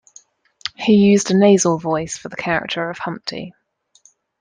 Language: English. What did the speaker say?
He used a nasal voice for the character Humpty.